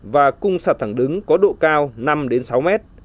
và cung sạt thẳng đứng có độ cao năm sáu mét